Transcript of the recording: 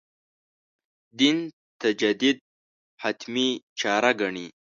دین تجدید «حتمي» چاره ګڼي.